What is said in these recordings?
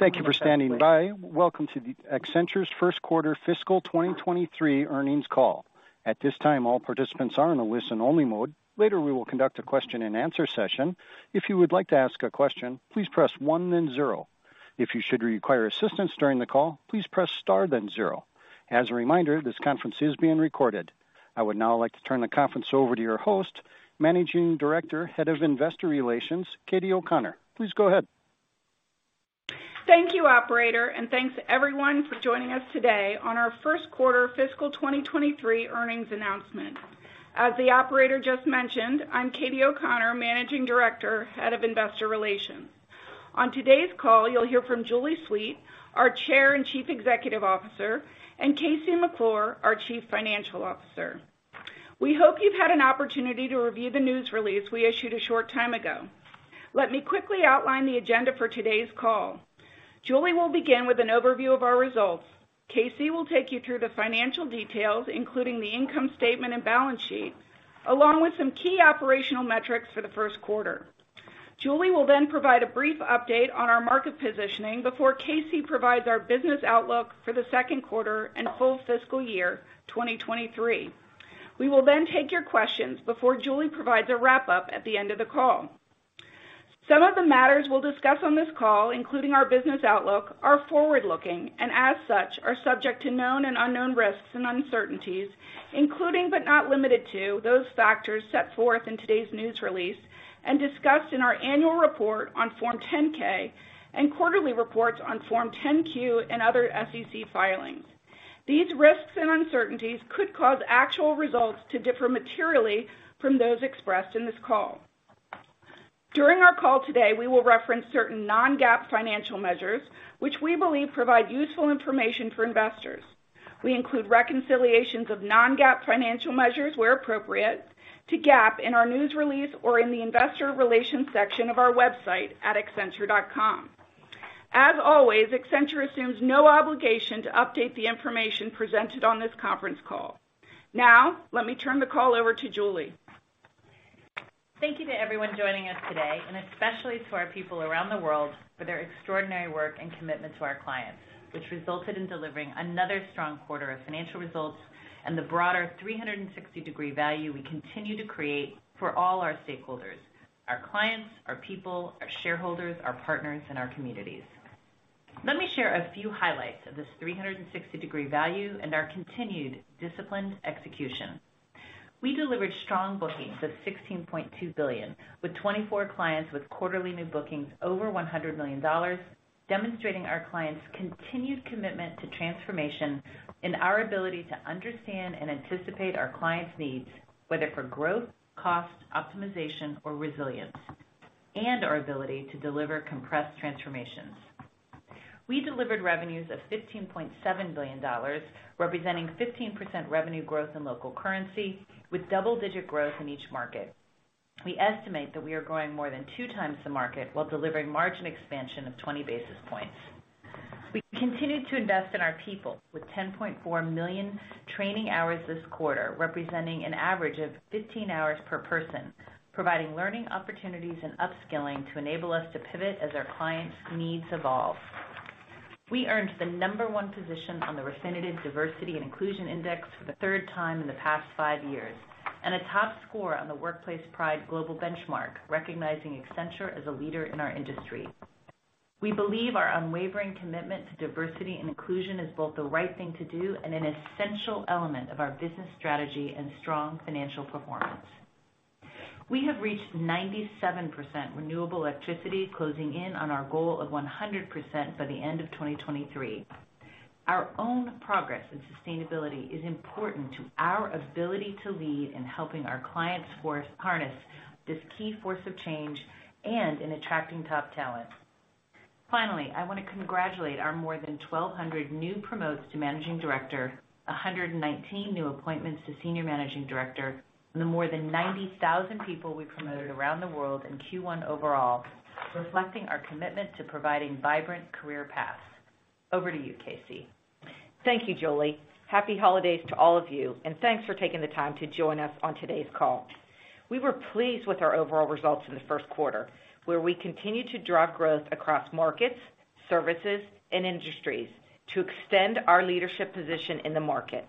Thank you for standing by. Welcome to the Accenture's first quarter fiscal 2023 earnings call. At this time, all participants are in a listen only mode. Later, we will conduct a question and answer session. If you would like to ask a question, please press one then zero. If you should require assistance during the call, please press star then zero. As a reminder, this conference is being recorded. I would now like to turn the conference over to your host, Managing Director, Head of Investor Relations, Katie O'Connor. Please go ahead. Thank you, operator, and thanks everyone for joining us today on our first quarter fiscal 2023 earnings announcement. As the operator just mentioned, I'm Katie O'Connor, Managing Director, Head of Investor Relations. On today's call, you'll hear from Julie Sweet, our Chair and Chief Executive Officer, and KC McClure, our Chief Financial Officer. We hope you've had an opportunity to review the news release we issued a short time ago. Let me quickly outline the agenda for today's call. Julie will begin with an overview of our results. KC will take you through the financial details, including the income statement and balance sheet, along with some key operational metrics for the first quarter. Julie will then provide a brief update on our market positioning before KC provides our business outlook for the second quarter and whole fiscal year 2023. We will then take your questions before Julie provides a wrap up at the end of the call. Some of the matters we'll discuss on this call, including our business outlook, are forward-looking and as such, are subject to known and unknown risks and uncertainties, including but not limited to those factors set forth in today's news release and discussed in our annual report on Form 10-K and quarterly reports on Form 10-Q and other SEC filings. These risks and uncertainties could cause actual results to differ materially from those expressed in this call. During our call today, we will reference certain non-GAAP financial measures which we believe provide useful information for investors. We include reconciliations of non-GAAP financial measures, where appropriate, to GAAP in our news release or in the investor relations section of our website at accenture.com. As always, Accenture assumes no obligation to update the information presented on this conference call. Let me turn the call over to Julie. Thank you to everyone joining us today, and especially to our people around the world for their extraordinary work and commitment to our clients, which resulted in delivering another strong quarter of financial results and the broader 360-degree value we continue to create for all our stakeholders, our clients, our people, our shareholders, our partners, and our communities. Let me share a few highlights of this 360-degree value and our continued disciplined execution. We delivered strong bookings of $16.2 billion with 24 clients with quarterly new bookings over $100 million, demonstrating our clients' continued commitment to transformation and our ability to understand and anticipate our clients' needs, whether for growth, cost, optimization or resilience, and our ability to deliver compressed transformations. We delivered revenues of $15.7 billion, representing 15% revenue growth in local currency, with double-digit growth in each market. We estimate that we are growing more than two times the market while delivering margin expansion of 20 basis points. We continue to invest in our people with 10.4 million training hours this quarter, representing an average of 15 hours per person, providing learning opportunities and upskilling to enable us to pivot as our clients' needs evolve. We earned the number one position on the Refinitiv Diversity and Inclusion Index for the third time in the past five years, and a top score on the Workplace Pride Global Benchmark, recognizing Accenture as a leader in our industry. We believe our unwavering commitment to diversity and inclusion is both the right thing to do and an essential element of our business strategy and strong financial performance. We have reached 97% renewable electricity closing in on our goal of 100% by the end of 2023. Our own progress in sustainability is important to our ability to lead in helping our clients harness this key force of change and in attracting top talent. Finally, I want to congratulate our more than 1,200 new promotes to Managing Director, 119 new appointments to Senior Managing Director, and the more than 90,000 people we promoted around the world in Q1 overall, reflecting our commitment to providing vibrant career paths. Over to you, KC. Thank you, Julie. Happy holidays to all of you, and thanks for taking the time to join us on today's call. We were pleased with our overall results in the first quarter, where we continued to drive growth across markets, services, and industries to extend our leadership position in the market.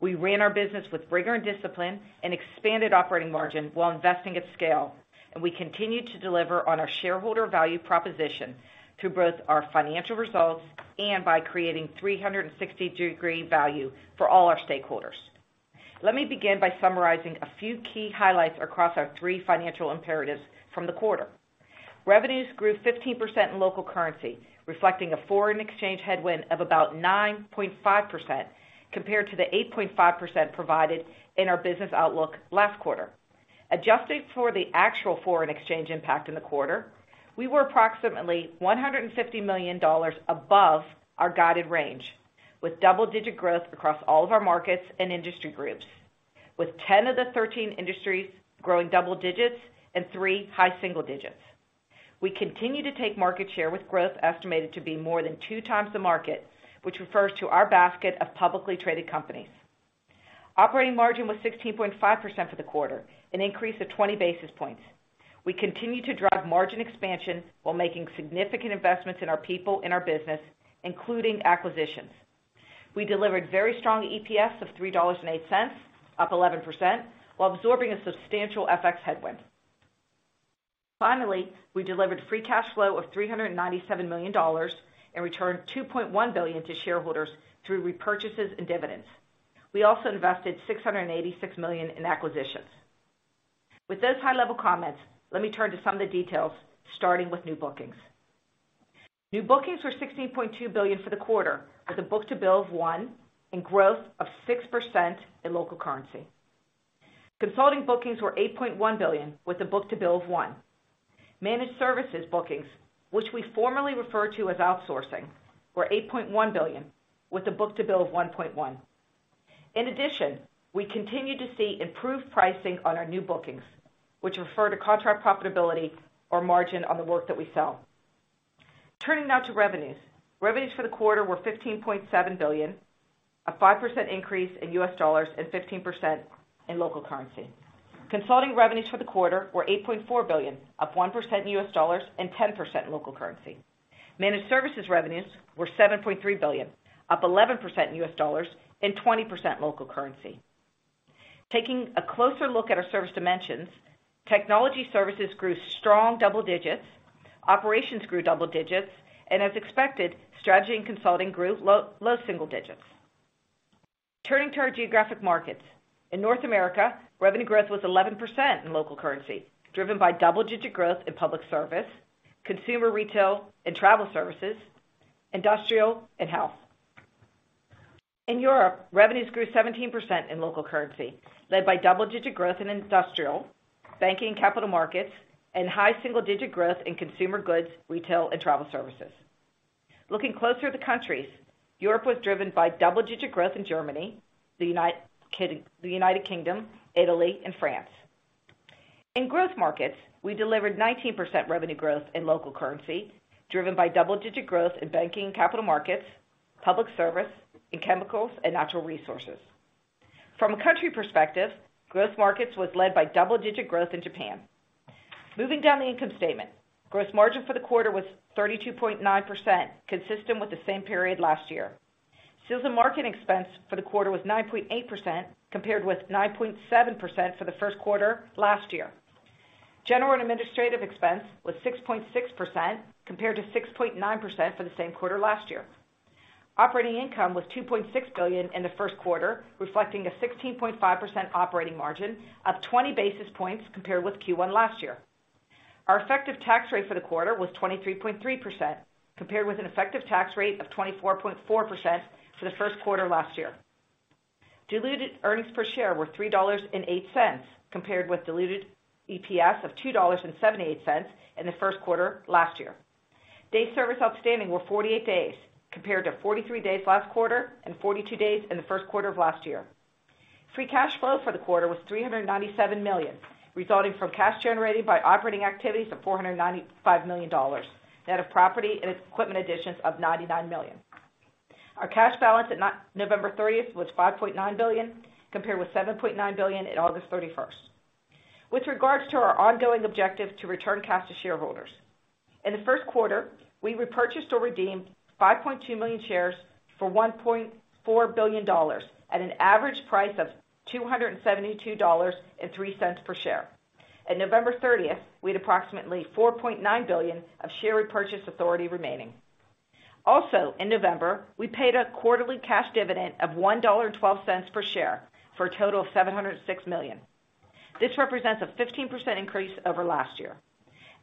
We ran our business with rigor and discipline and expanded operating margin while investing at scale. We continued to deliver on our shareholder value proposition through both our financial results and by creating 360-degree value for all our stakeholders. Let me begin by summarizing a few key highlights across our three financial imperatives from the quarter. Revenues grew 15% in local currency, reflecting a foreign exchange headwind of about 9.5% compared to the 8.5% provided in our business outlook last quarter. Adjusting for the actual foreign exchange impact in the quarter, we were approximately $150 million above our guided range, with double-digit growth across all of our markets and industry groups. With 10 of the 13 industries growing double digits and three high single digits. We continue to take market share with growth estimated to be more than two times the market, which refers to our basket of publicly traded companies. Operating margin was 16.5% for the quarter, an increase of 20 basis points. We continue to drive margin expansion while making significant investments in our people and our business, including acquisitions. We delivered very strong EPS of $3.08, up 11%, while absorbing a substantial FX headwind. Finally, we delivered free cash flow of $397 million and returned $2.1 billion to shareholders through repurchases and dividends. We also invested $686 million in acquisitions. With those high-level comments, let me turn to some of the details, starting with new bookings. New bookings were $16.2 billion for the quarter, with a book-to-bill of one and growth of 6% in local currency. Consulting bookings were $8.1 billion, with a book-to-bill of one. Managed services bookings, which we formerly referred to as outsourcing, were $8.1 billion, with a book-to-bill of 1.1. In addition, we continue to see improved pricing on our new bookings, which refer to contract profitability or margin on the work that we sell. Turning now to revenues. Revenues for the quarter were $15.7 billion, a 5% increase in US dollars and 15% in local currency. Consulting revenues for the quarter were $8.4 billion, up 1% in US dollars and 10% in local currency. Managed services revenues were $7.3 billion, up 11% in US dollars and 20% local currency. Taking a closer look at our service dimensions, technology services grew strong double digits, operations grew double digits, and as expected, strategy and consulting grew low single digits. Turning to our geographic markets. In North America, revenue growth was 11% in local currency, driven by double-digit growth in public service, consumer retail and travel services, industrial and health. In Europe, revenues grew 17% in local currency, led by double-digit growth in industrial, banking and capital markets, and high single-digit growth in consumer goods, retail, and travel services. Looking closer at the countries, Europe was driven by double-digit growth in Germany, the United Kingdom, Italy, and France. In growth markets, we delivered 19% revenue growth in local currency, driven by double-digit growth in banking, capital markets, public service, in chemicals, and natural resources. From a country perspective, growth markets was led by double-digit growth in Japan. Moving down the income statement. Gross margin for the quarter was 32.9%, consistent with the same period last year. Sales and marketing expense for the quarter was 9.8%, compared with 9.7% for the first quarter last year. General and administrative expense was 6.6%, compared to 6.9% for the same quarter last year. Operating income was $2.6 billion in the first quarter, reflecting a 16.5% operating margin, up 20 basis points compared with Q1 last year. Our effective tax rate for the quarter was 23.3%, compared with an effective tax rate of 24.4% for the first quarter last year. Diluted earnings per share were $3.08, compared with diluted EPS of $2.78 in the first quarter last year. Days service outstanding were 48 days, compared to 43 days last quarter and 42 days in the first quarter of last year. Free cash flow for the quarter was $397 million, resulting from cash generated by operating activities of $495 million, net of property and equipment additions of $99 million. Our cash balance at November 30th was $5.9 billion, compared with $7.9 billion at August 31st. With regards to our ongoing objective to return cash to shareholders, in the first quarter, we repurchased or redeemed 5.2 million shares for $1.4 billion at an average price of $272.03 per share. At November 30th, we had approximately $4.9 billion of share repurchase authority remaining. Also in November, we paid a quarterly cash dividend of $1.12 per share for a total of $706 million. This represents a 15% increase over last year.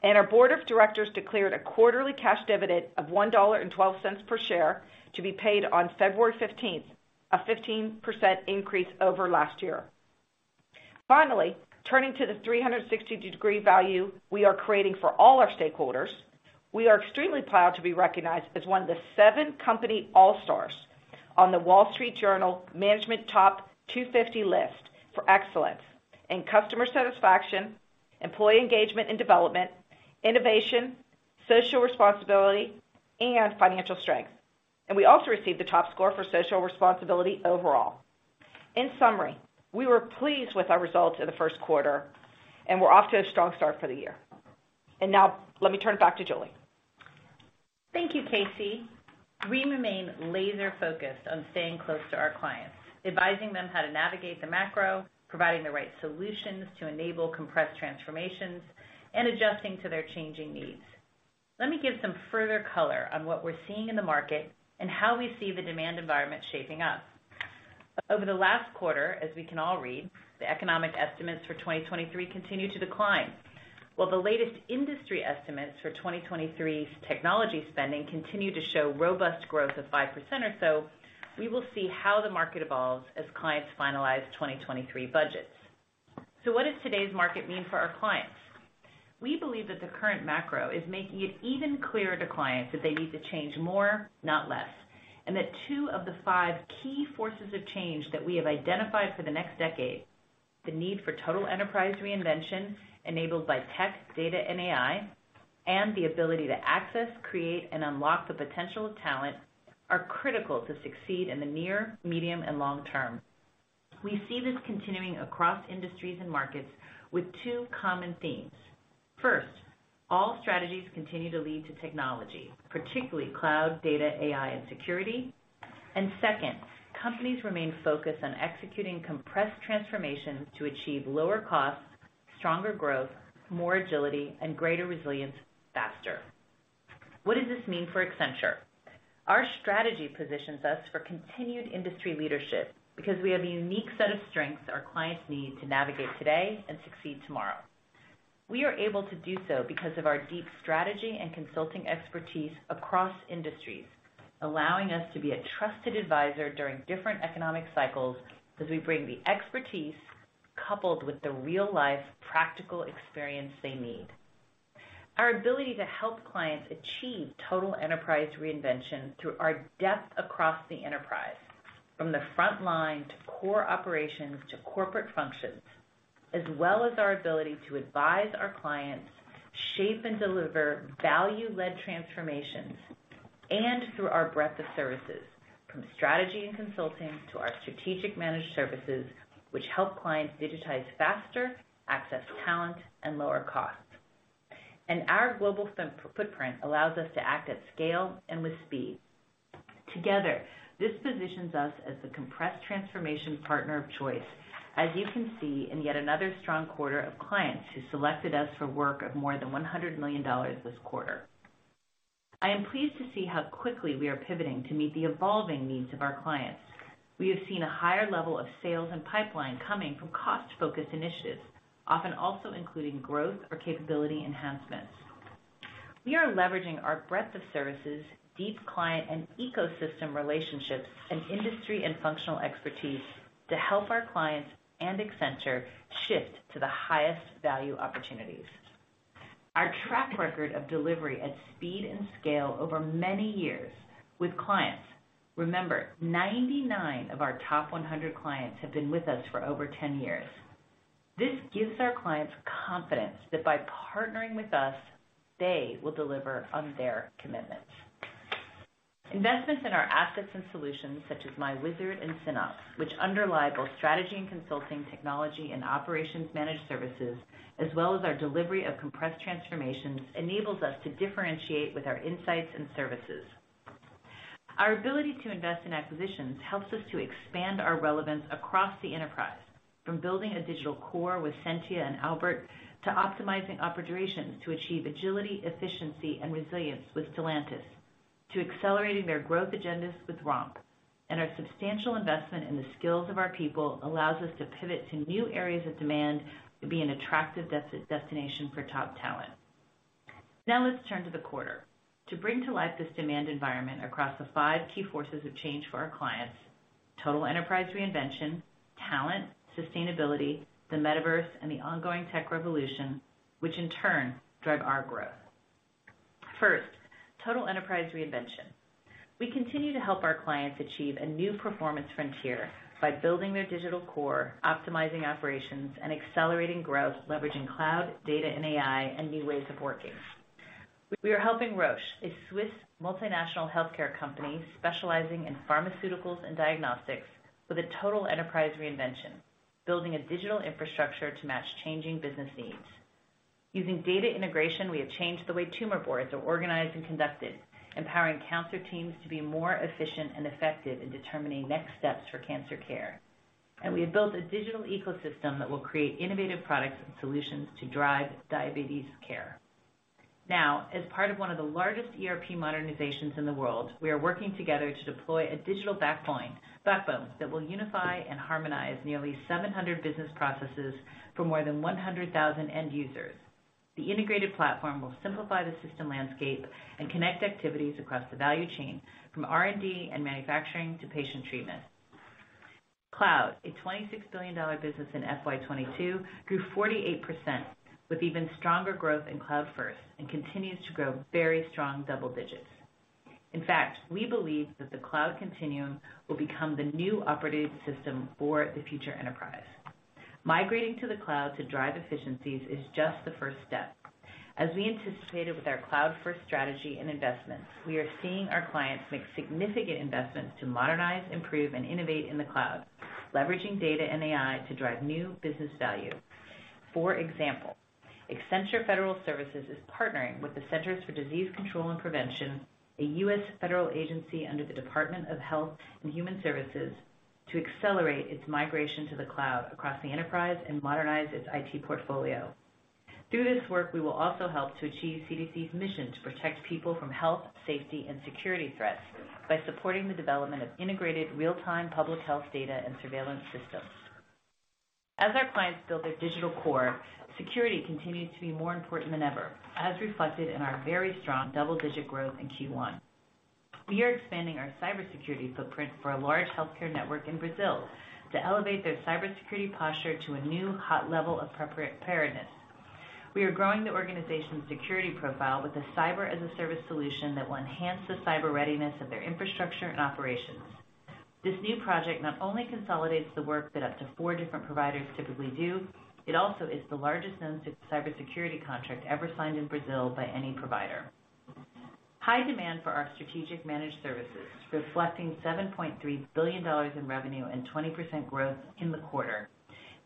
Our board of directors declared a quarterly cash dividend of $1.12 per share to be paid on February 15th, a 15% increase over last year. Finally, turning to the 360-degree value we are creating for all our stakeholders, we are extremely proud to be recognized as one of the seven company all-stars on the Wall Street Journal Management Top 250 list for excellence in customer satisfaction, employee engagement and development, innovation, social responsibility, and financial strength. We also received the top score for social responsibility overall. In summary, we were pleased with our results in the first quarter, and we're off to a strong start for the year. Now let me turn it back to Julie. Thank you, KC. We remain laser-focused on staying close to our clients, advising them how to navigate the macro, providing the right solutions to enable compressed transformations, and adjusting to their changing needs. Let me give some further color on what we're seeing in the market and how we see the demand environment shaping up. Over the last quarter, as we can all read, the economic estimates for 2023 continue to decline. While the latest industry estimates for 2023's technology spending continue to show robust growth of 5% or so, we will see how the market evolves as clients finalize 2023 budgets. What does today's market mean for our clients? We believe that the current macro is making it even clearer to clients that they need to change more, not less, and that two of the five key forces of change that we have identified for the next decade: The need for total enterprise reinvention enabled by tech, data, and AI, and the ability to access, create, and unlock the potential of talent are critical to succeed in the near, medium, and long term. We see this continuing across industries and markets with two common themes. First, all strategies continue to lead to technology, particularly cloud, data, AI, and security. Second, companies remain focused on executing compressed transformations to achieve lower costs, stronger growth, more agility, and greater resilience faster. What does this mean for Accenture? Our strategy positions us for continued industry leadership because we have a unique set of strengths our clients need to navigate today and succeed tomorrow. We are able to do so because of our deep strategy and consulting expertise across industries, allowing us to be a trusted advisor during different economic cycles as we bring the expertise coupled with the real-life practical experience they need. Our ability to help clients achieve total enterprise reinvention through our depth across the enterprise, from the front line to core operations to corporate functions, as well as our ability to advise our clients, shape and deliver value-led transformations, and through our breadth of services, from strategy and consulting to our strategic managed services, which help clients digitize faster, access talent, and lower costs. Our global footprint allows us to act at scale and with speed. Together, this positions us as the compressed transformation partner of choice, as you can see in yet another strong quarter of clients who selected us for work of more than $100 million this quarter. I am pleased to see how quickly we are pivoting to meet the evolving needs of our clients. We have seen a higher level of sales and pipeline coming from cost-focused initiatives, often also including growth or capability enhancements. We are leveraging our breadth of services, deep client and ecosystem relationships, and industry and functional expertise to help our clients and Accenture shift to the highest value opportunities. Our track record of delivery at speed and scale over many years with clients. Remember, 99 of our top 100 clients have been with us for over 10 years. This gives our clients confidence that by partnering with us, they will deliver on their commitments. Investments in our assets and solutions such as myWizard and SynOps, which underlie both strategy and consulting, technology and operations managed services, as well as our delivery of compressed transformations, enables us to differentiate with our insights and services. Our ability to invest in acquisitions helps us to expand our relevance across the enterprise, from building a digital core with Sentia and ALBERT, to optimizing operations to achieve agility, efficiency, and resilience with Stellantis, to accelerating their growth agendas with Romp. Our substantial investment in the skills of our people allows us to pivot to new areas of demand to be an attractive destination for top talent. Now, let's turn to the quarter. To bring to life this demand environment across the five key forces of change for our clients, total enterprise reinvention, talent, sustainability, the metaverse, and the ongoing tech revolution, which in turn drive our growth. First, total enterprise reinvention. We continue to help our clients achieve a new performance frontier by building their digital core, optimizing operations, and accelerating growth, leveraging cloud, data, and AI, and new ways of working. We are helping Roche, a Swiss multinational healthcare company specializing in pharmaceuticals and diagnostics, with a total enterprise reinvention, building a digital infrastructure to match changing business needs. Using data integration, we have changed the way tumor boards are organized and conducted, empowering cancer teams to be more efficient and effective in determining next steps for cancer care. We have built a digital ecosystem that will create innovative products and solutions to drive diabetes care. Now, as part of one of the largest ERP modernizations in the world, we are working together to deploy a digital backbone that will unify and harmonize nearly 700 business processes for more than 100,000 end users. The integrated platform will simplify the system landscape and connect activities across the value chain, from R&D and manufacturing to patient treatment. Cloud, a $26 billion business in FY 2022, grew 48%, with even stronger growth in Cloud First, and continues to grow very strong double digits. In fact, we believe that the Cloud Continuum will become the new operating system for the future enterprise. Migrating to the cloud to drive efficiencies is just the first step. As we anticipated with our Cloud First strategy and investments, we are seeing our clients make significant investments to modernize, improve, and innovate in the cloud, leveraging data and AI to drive new business value. For example, Accenture Federal Services is partnering with the Centers for Disease Control and Prevention, a U.S. federal agency under the Department of Health and Human Services, to accelerate its migration to the cloud across the enterprise and modernize its IT portfolio. Through this work, we will also help to achieve CDC's mission to protect people from health, safety, and security threats by supporting the development of integrated real-time public health data and surveillance systems. As our clients build their digital core, security continues to be more important than ever, as reflected in our very strong double-digit growth in Q1. We are expanding our cybersecurity footprint for a large healthcare network in Brazil to elevate their cybersecurity posture to a new hot level of preparedness. We are growing the organization's security profile with a Cyber as a Service solution that will enhance the cyber readiness of their infrastructure and operations. This new project not only consolidates the work that up to four different providers typically do, it also is the largest known cybersecurity contract ever signed in Brazil by any provider. High demand for our strategic managed services, reflecting $7.3 billion in revenue and 20% growth in the quarter,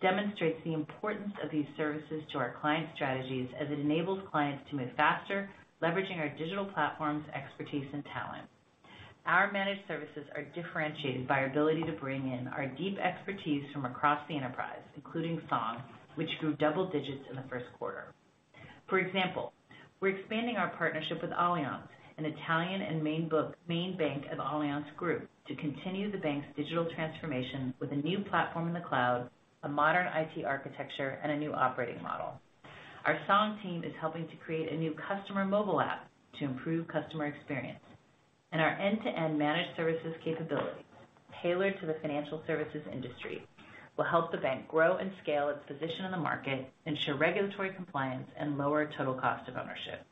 demonstrates the importance of these services to our clients' strategies as it enables clients to move faster, leveraging our digital platforms, expertise, and talent. Our managed services are differentiated by our ability to bring in our deep expertise from across the enterprise, including Song, which grew double digits in the first quarter. For example, we're expanding our partnership with Allianz, an Italian and main bank of Allianz Group, to continue the bank's digital transformation with a new platform in the cloud, a modern IT architecture, and a new operating model. Our Songteam is helping to create a new customer mobile app to improve customer experience. Our end-to-end managed services capabilities tailored to the financial services industry will help the bank grow and scale its position in the market, ensure regulatory compliance, and lower total cost of ownership.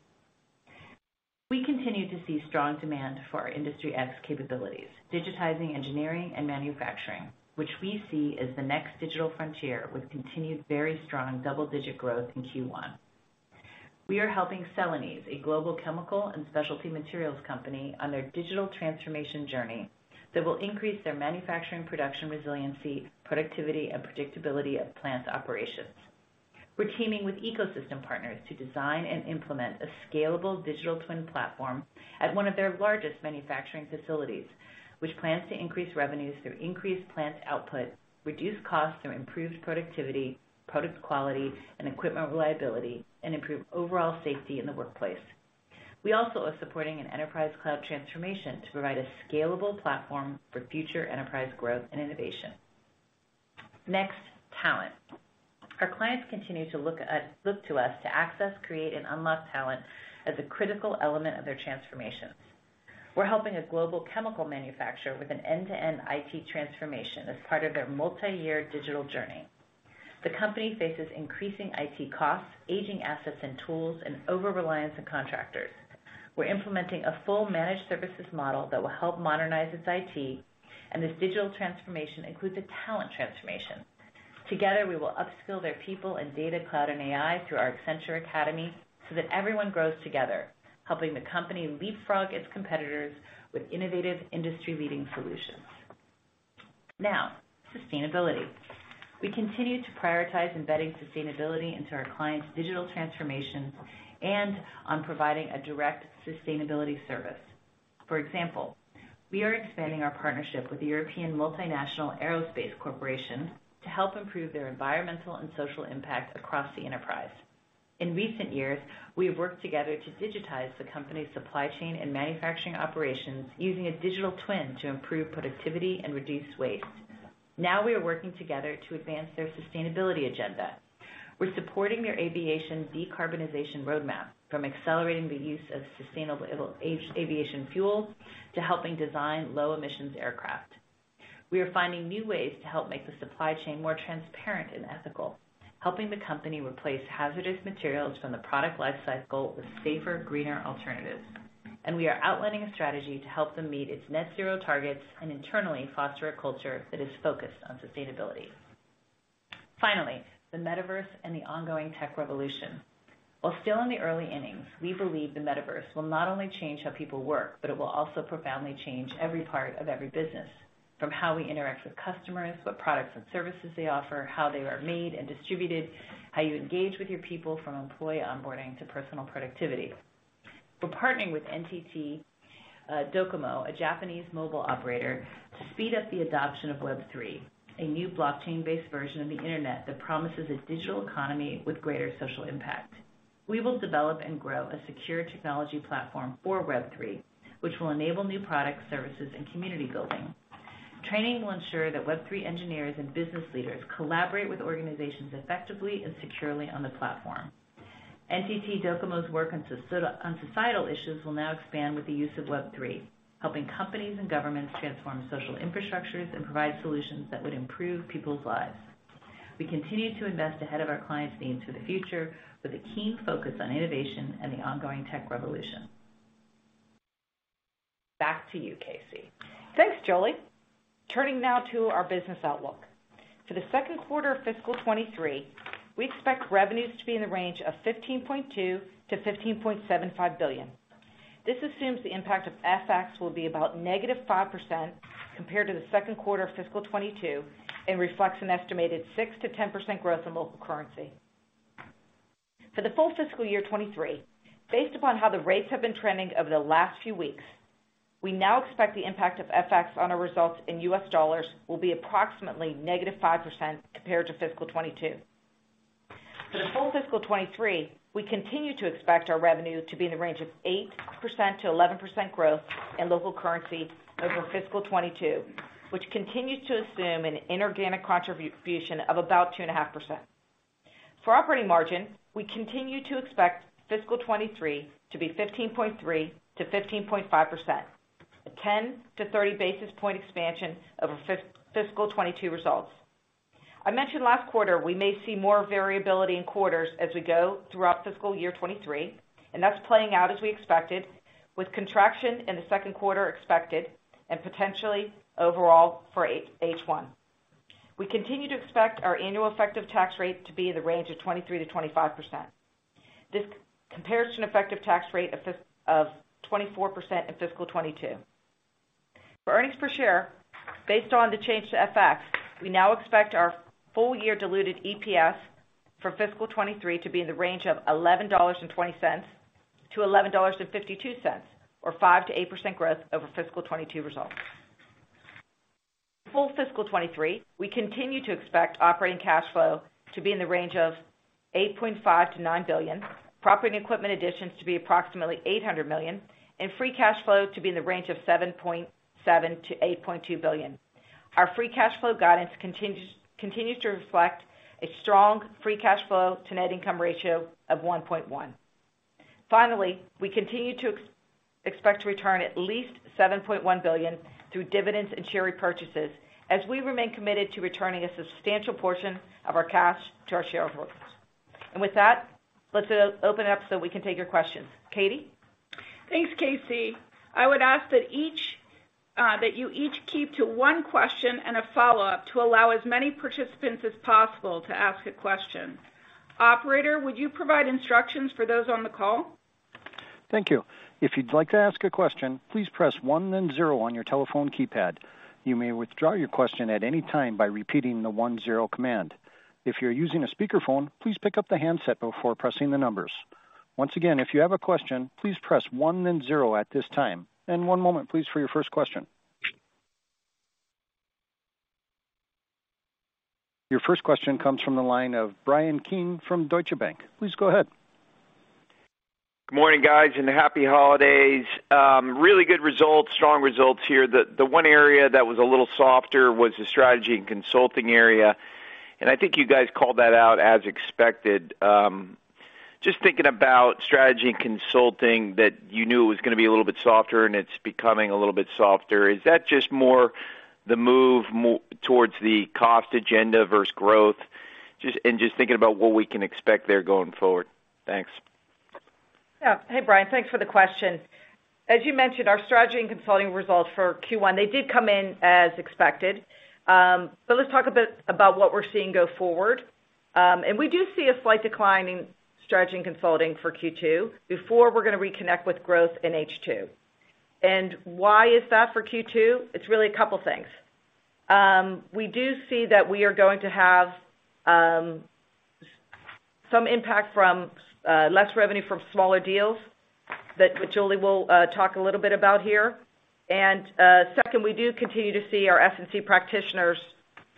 We continue to see strong demand for our Industry X capabilities, digitizing engineering and manufacturing, which we see as the next digital frontier with continued very strong double-digit growth in Q1. We are helping Celanese, a global chemical and specialty materials company, on their digital transformation journey that will increase their manufacturing production resiliency, productivity, and predictability of plant operations. We're teaming with ecosystem partners to design and implement a scalable digital twin platform at one of their largest manufacturing facilities, which plans to increase revenues through increased plant output, reduce costs through improved productivity, product quality, and equipment reliability, and improve overall safety in the workplace. We also are supporting an enterprise cloud transformation to provide a scalable platform for future enterprise growth and innovation. Next, talent. Our clients continue to look to us to access, create, and unlock talent as a critical element of their transformations. We're helping a global chemical manufacturer with an end-to-end IT transformation as part of their multi-year digital journey. The company faces increasing IT costs, aging assets and tools, and over-reliance on contractors. We're implementing a full managed services model that will help modernize its IT, and this digital transformation includes a talent transformation. Together, we will upskill their people in data, cloud, and AI through our Accenture Academy so that everyone grows together, helping the company leapfrog its competitors with innovative industry-leading solutions. Sustainability. We continue to prioritize embedding sustainability into our clients' digital transformations and on providing a direct sustainability service. For example, we are expanding our partnership with the European Multinational Aerospace Corporation to help improve their environmental and social impact across the enterprise. In recent years, we have worked together to digitize the company's supply chain and manufacturing operations using a digital twin to improve productivity and reduce waste. We are working together to advance their sustainability agenda. We're supporting their aviation decarbonization roadmap, from accelerating the use of sustainable aviation fuels to helping design low-emissions aircraft. We are finding new ways to help make the supply chain more transparent and ethical, helping the company replace hazardous materials from the product life cycle with safer, greener alternatives. We are outlining a strategy to help them meet its net zero targets and internally foster a culture that is focused on sustainability. Finally, the metaverse and the ongoing tech revolution. While still in the early innings, we believe the metaverse will not only change how people work, but it will also profoundly change every part of every business, from how we interact with customers, what products and services they offer, how they are made and distributed, how you engage with your people, from employee onboarding to personal productivity. We're partnering with NTT DOCOMO, a Japanese mobile operator, to speed up the adoption of Web3, a new blockchain-based version of the Internet that promises a digital economy with greater social impact. We will develop and grow a secure technology platform for Web3, which will enable new products, services, and community building. Training will ensure that Web3 engineers and business leaders collaborate with organizations effectively and securely on the platform. NTT DOCOMO's work on societal issues will now expand with the use of Web3, helping companies and governments transform social infrastructures and provide solutions that would improve people's lives. We continue to invest ahead of our clients' needs for the future with a keen focus on innovation and the ongoing tech revolution. Back to you, KC. Thanks, Julie. Turning now to our business outlook. For the second quarter of fiscal 2023, we expect revenues to be in the range of $15.2 billion-$15.75 billion. This assumes the impact of FX will be about -5% compared to the second quarter of fiscal 2022 and reflects an estimated 6%-10% growth in local currency. For the full fiscal year 2023, based upon how the rates have been trending over the last few weeks, we now expect the impact of FX on our results in US dollars will be approximately -5% compared to fiscal 2022. For the full fiscal 2023, we continue to expect our revenue to be in the range of 8%-11% growth in local currency over fiscal 2022, which continues to assume an inorganic contribution of about 2.5%. For operating margin, we continue to expect fiscal 2023 to be 15.3%-15.5%. A 10 to 30 basis point expansion of fiscal 2022 results. I mentioned last quarter, we may see more variability in quarters as we go throughout fiscal year 2023, that's playing out as we expected, with contraction in the second quarter expected and potentially overall for H1. We continue to expect our annual effective tax rate to be in the range of 23%-25%. This compares to an effective tax rate of 24% in fiscal 2022. For earnings per share, based on the change to FX, we now expect our full year diluted EPS for fiscal 2023 to be in the range of $11.20-$11.52 or 5%-8% growth over fiscal 2022 results. Full fiscal 2023, we continue to expect operating cash flow to be in the range of $8.5 billion-$9 billion, property and equipment additions to be approximately $800 million, and free cash flow to be in the range of $7.7 billion-$8.2 billion. Our free cash flow guidance continues to reflect a strong free cash flow to net income ratio of 1.1. Finally, we continue to expect to return at least $7.1 billion through dividends and share repurchases as we remain committed to returning a substantial portion of our cash to our shareholders. With that, let's open it up so we can take your questions. Katie? Thanks, KC. I would ask that you each keep to one question and a follow-up to allow as many participants as possible to ask a question. Operator, would you provide instructions for those on the call? Thank you. If you'd like to ask a question, please press one then zero on your telephone keypad. You may withdraw your question at any time by repeating the one zero command. If you're using a speakerphone, please pick up the handset before pressing the numbers. Once again, if you have a question, please press one then zero at this time. One moment, please, for your first question. Your first question comes from the line of Bryan Keane from Deutsche Bank. Please go ahead. Good morning, guys. Happy holidays. Really good results, strong results here. The one area that was a little softer was the strategy and consulting area, and I think you guys called that out as expected. Just thinking about strategy and consulting that you knew it was gonna be a little bit softer and it's becoming a little bit softer, is that just more the move towards the cost agenda versus growth? Just thinking about what we can expect there going forward. Thanks. Yeah. Hey, Bryan, thanks for the question. As you mentioned, our strategy and consulting results for Q1, they did come in as expected. Let's talk a bit about what we're seeing go forward. We do see a slight decline in strategy and consulting for Q2 before we're gonna reconnect with growth in H2. Why is that for Q2? It's really a couple things. We do see that we are going to have some impact from less revenue from smaller deals that, which Julie will talk a little bit about here. Second, we do continue to see our S&C practitioners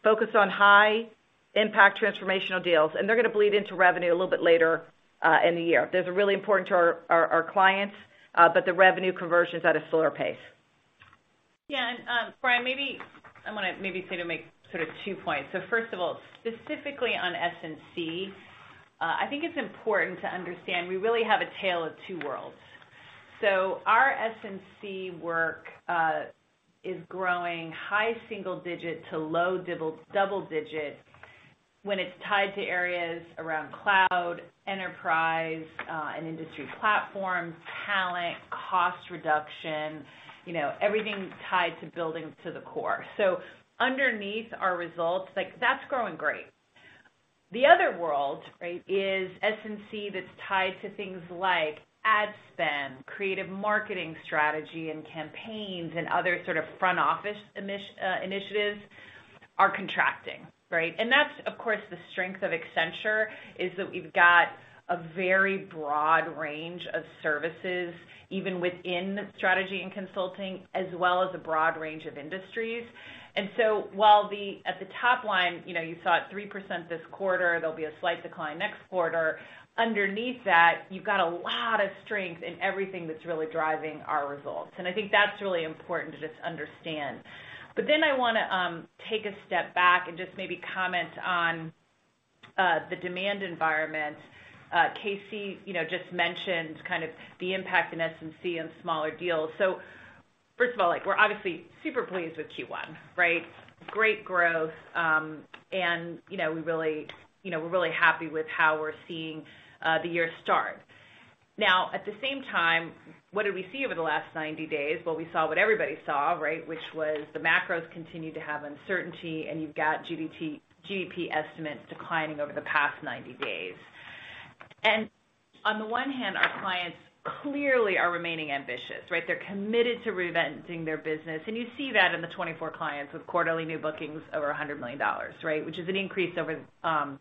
focus on high-impact transformational deals, and they're gonna bleed into revenue a little bit later in the year. Those are really important to our clients, but the revenue conversion is at a slower pace. Yeah. Bryan, I want to make two points. First of all, specifically on S&C, I think it's important to understand we really have a tale of two worlds. Our S&C work is growing high single-digit to low double-digit when it's tied to areas around cloud, enterprise, and industry platforms, talent, cost reduction, you know, everything tied to building to the core. Underneath our results, like, that's growing great. The other world, right, is S&C that's tied to things like ad spend, creative marketing strategy and campaigns, and other sort of front office initiatives are contracting, right? That's, of course, the strength of Accenture, is that we've got a very broad range of services, even within strategy and consulting, as well as a broad range of industries. While the... at the top line, you know, you saw it 3% this quarter, there'll be a slight decline next quarter. Underneath that, you've got a lot of strength in everything that's really driving our results. I think that's really important to just understand. I wanna take a step back and just maybe comment on the demand environment. KC, you know, just mentioned kind of the impact in S&C on smaller deals. First of all, like, we're obviously super pleased with Q1, right? Great growth, and, you know, we really, you know, we're really happy with how we're seeing the year start. Now, at the same time, what did we see over the last 90 days? Well, we saw what everybody saw, right? Which was the macros continued to have uncertainty, and you've got GDP estimates declining over the past 90 days. On the one hand, our clients clearly are remaining ambitious, right? They're committed to reinventing their business, and you see that in the 24 clients with quarterly new bookings over $100 million, right? Which is an increase over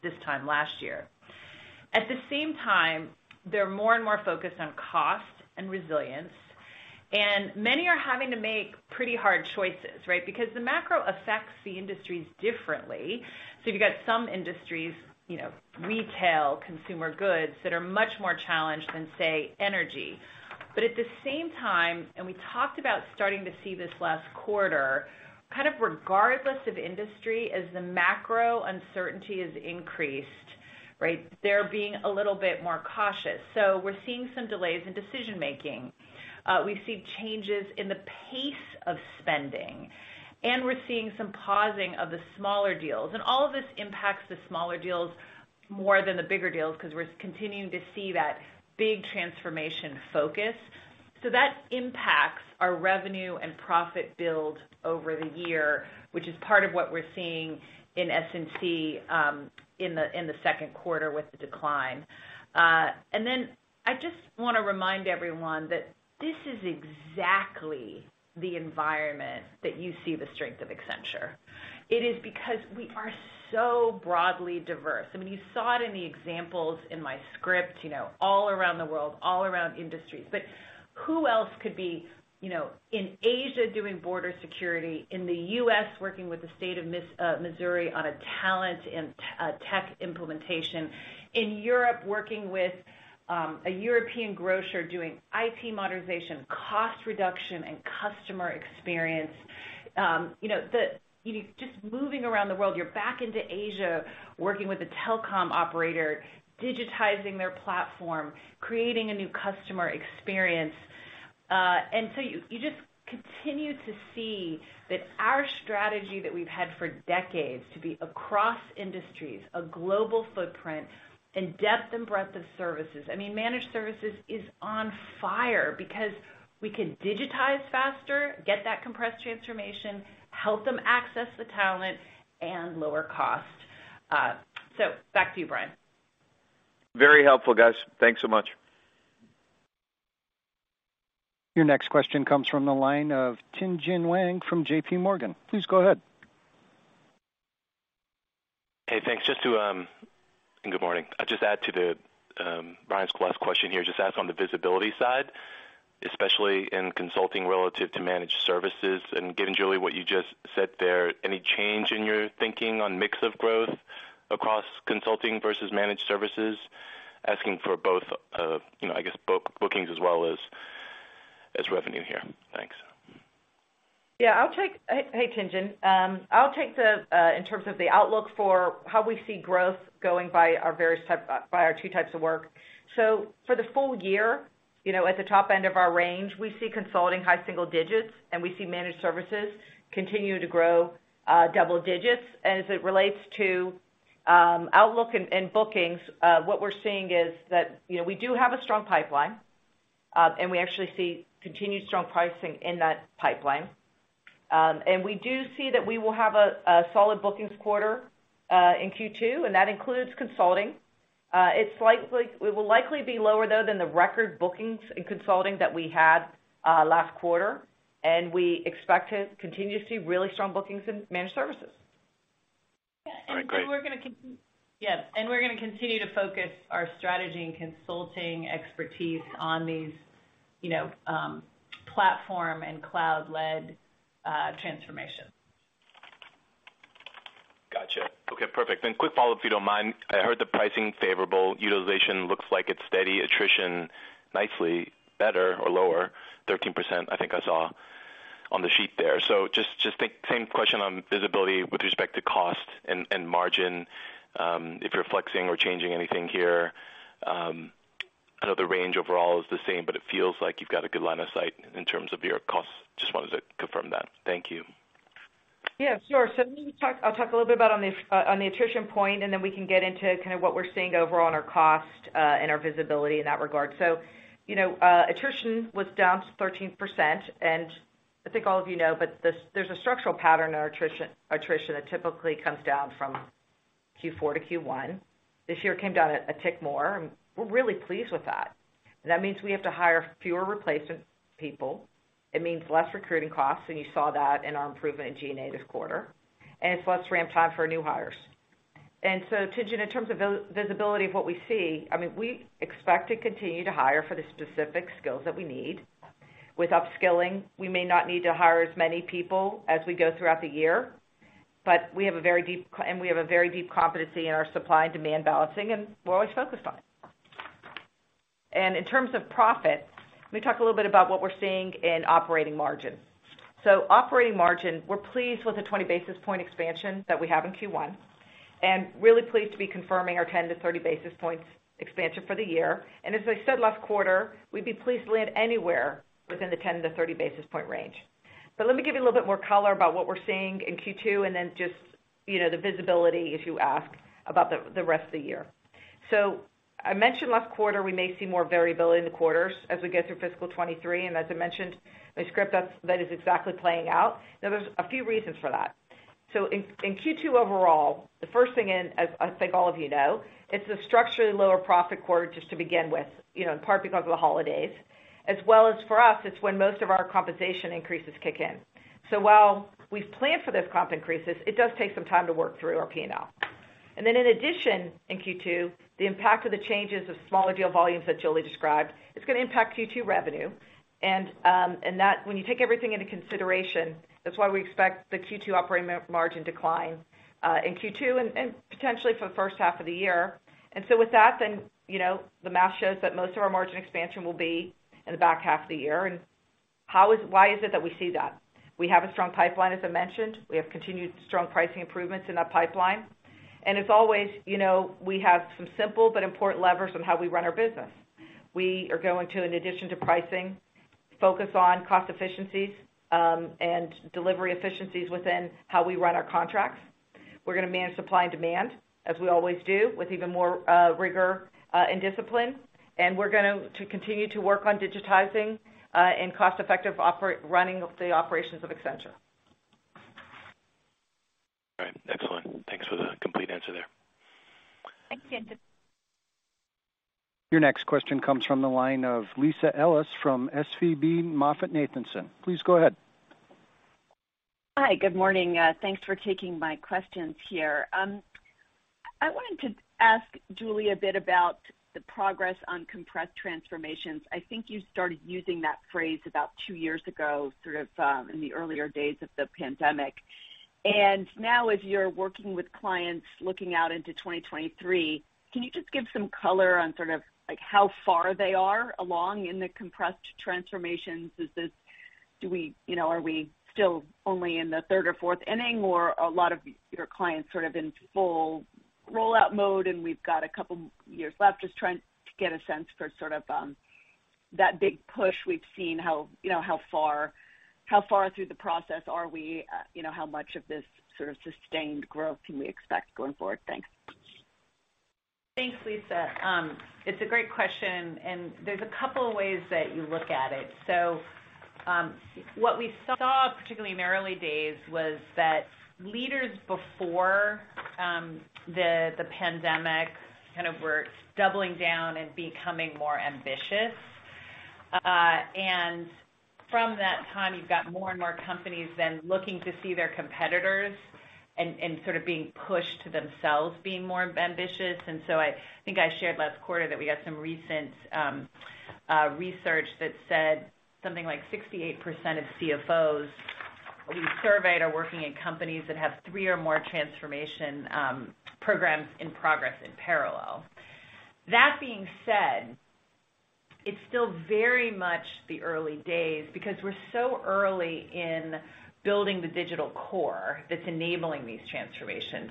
this time last year. At the same time, they're more and more focused on cost and resilience, and many are having to make pretty hard choices, right? Because the macro affects the industries differently. You've got some industries, you know, retail, consumer goods, that are much more challenged than, say, energy. At the same time, and we talked about starting to see this last quarter, kind of regardless of industry, as the macro uncertainty has increased. Right. They're being a little bit more cautious. We're seeing some delays in decision-making. We've seen changes in the pace of spending, and we're seeing some pausing of the smaller deals. All of this impacts the smaller deals more than the bigger deals because we're continuing to see that big transformation focus. That impacts our revenue and profit build over the year, which is part of what we're seeing in S&P in the second quarter with the decline. I just wanna remind everyone that this is exactly the environment that you see the strength of Accenture. It is because we are so broadly diverse. I mean, you saw it in the examples in my script, you know, all around the world, all around industries. Who else could be, you know, in Asia doing border security, in the U.S. working with the state of Missouri on a talent and tech implementation, in Europe working with a European grocer doing IT modernization, cost reduction, and customer experience. You know, you're just moving around the world, you're back into Asia, working with a telecom operator, digitizing their platform, creating a new customer experience. You just continue to see that our strategy that we've had for decades to be across industries, a global footprint and depth and breadth of services. I mean, managed services is on fire because we can digitize faster, get that compressed transformation, help them access the talent, and lower cost. Back to you, Bryan. Very helpful, guys. Thanks so much. Your next question comes from the line of Tien-tsin Huang from JPMorgan. Please go ahead. Hey, thanks. Just to. Good morning. I'll just add to the Bryan's last question here. Just ask on the visibility side, especially in consulting relative to managed services, and given, Julie, what you just said there, any change in your thinking on mix of growth across consulting versus managed services? Asking for both, you know, I guess book-bookings as well as revenue here. Thanks. Yeah, I'll take Hey, Tien-tsin. I'll take the in terms of the outlook for how we see growth going by our two types of work. For the full year, you know, at the top end of our range, we see consulting high single digits, and we see managed services continue to grow double digits. As it relates to outlook and bookings, what we're seeing is that, you know, we do have a strong pipeline, and we actually see continued strong pricing in that pipeline. We do see that we will have a solid bookings quarter in Q2, and that includes consulting. It will likely be lower, though, than the record bookings in consulting that we had, last quarter. We expect to continue to see really strong bookings in managed services. All right, great. Yeah. Yes, we're gonna continue to focus our strategy and consulting expertise on these, you know, platform and cloud-led transformation. Gotcha. Okay, perfect. Quick follow-up, if you don't mind. I heard the pricing favorable, utilization looks like it's steady, attrition nicely better or lower, 13%, I think I saw on the sheet there. Just the same question on visibility with respect to cost and margin, if you're flexing or changing anything here. I know the range overall is the same, but it feels like you've got a good line of sight in terms of your costs. Just wanted to confirm that. Thank you. Yeah, sure. I'll talk a little bit about on the attrition point, and then we can get into kind of what we're seeing overall on our cost, and our visibility in that regard. You know, attrition was down to 13%. I think all of you know, there's a structural pattern in our attrition that typically comes down from Q4 to Q1. This year, it came down a tick more, and we're really pleased with that. That means we have to hire fewer replacement people. It means less recruiting costs, and you saw that in our improvement in G&A this quarter. It's less ramp time for new hires. Tien-tsin, in terms of visibility of what we see, I mean, we expect to continue to hire for the specific skills that we need. With upskilling, we may not need to hire as many people as we go throughout the year, but we have a very deep and we have a very deep competency in our supply and demand balancing, and we're always focused on it. In terms of profit, let me talk a little bit about what we're seeing in operating margin. Operating margin, we're pleased with the 20 basis point expansion that we have in Q1, really pleased to be confirming our 10 to 30 basis points expansion for the year. As I said last quarter, we'd be pleased to land anywhere within the 10 to 30 basis point range. Let me give you a little bit more color about what we're seeing in Q2 and then just, you know, the visibility if you ask about the rest of the year. I mentioned last quarter, we may see more variability in the quarters as we get through fiscal 2023. As I mentioned in the script, that is exactly playing out. There's a few reasons for that. In Q2 overall, the first thing, as I think all of you know, it's a structurally lower profit quarter just to begin with, you know, in part because of the holidays, as well as for us, it's when most of our compensation increases kick in. While we've planned for those comp increases, it does take some time to work through our P&L. In addition, in Q2, the impact of the changes of smaller deal volumes that Julie described, it's gonna impact Q2 revenue. When you take everything into consideration, that's why we expect the Q2 operating margin decline in Q2 and potentially for the first half of the year. With that then, you know, the math shows that most of our margin expansion will be in the back half of the year. Why is it that we see that? We have a strong pipeline, as I mentioned. We have continued strong pricing improvements in our pipeline. As always, you know, we have some simple but important levers on how we run our business. We are going to, in addition to pricing, focus on cost efficiencies and delivery efficiencies within how we run our contracts. We're gonna manage supply and demand as we always do, with even more rigor and discipline. We're gonna continue to work on digitizing, and cost-effective operate, running of the operations of Accenture. All right. Excellent. Thanks for the complete answer there. Thank you. Your next question comes from the line of Lisa Ellis from SVB MoffettNathanson. Please go ahead. Hi, good morning. Thanks for taking my questions here. I wanted to ask Julie a bit about the progress on compressed transformations. I think you started using that phrase about two years ago, sort of in the earlier days of the pandemic. Now, as you're working with clients looking out into 2023, can you just give some color on sort of like how far they are along in the compressed transformations? You know, are we still only in the third or fourth inning or a lot of your clients sort of in full rollout mode and we've got a couple years left? Just trying to get a sense for sort of that big push we've seen, how, you know, how far through the process are we? you know, how much of this sort of sustained growth can we expect going forward? Thanks. Thanks, Lisa. It's a great question, and there's a couple ways that you look at it. What we saw, particularly in the early days, was that leaders before the pandemic kind of were doubling down and becoming more ambitious. From that time, you've got more and more companies than looking to see their competitors and sort of being pushed to themselves being more ambitious. I think I shared last quarter that we got some recent research that said something like 68% of CFOs we surveyed are working in companies that have three or more transformation programs in progress in parallel. That being said, it's still very much the early days because we're so early in building the digital core that's enabling these transformations.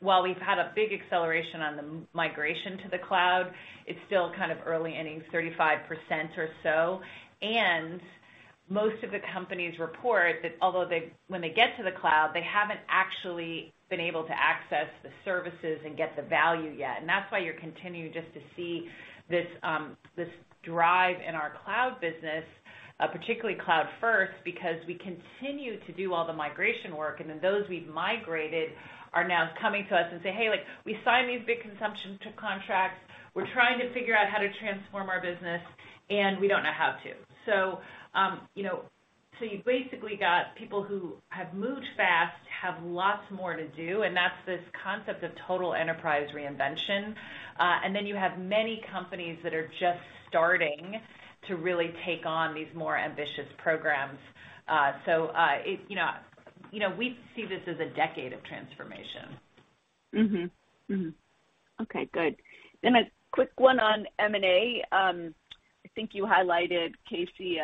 While we've had a big acceleration on the migration to the cloud, it's still kind of early innings, 35% or so. Most of the companies report that although when they get to the cloud, they haven't actually been able to access the services and get the value yet. That's why you're continuing just to see this drive in our cloud business, particularly Cloud First, because we continue to do all the migration work, and then those we've migrated are now coming to us and say, "Hey, like, we sign these big consumption to contracts. We're trying to figure out how to transform our business, and we don't know how to." You know, you've basically got people who have moved fast, have lots more to do, and that's this concept of total enterprise reinvention. You have many companies that are just starting to really take on these more ambitious programs. You know, we see this as a decade of transformation. Mm-hmm. Mm-hmm. Okay, good. A quick one on M&A. I think you highlighted, KC,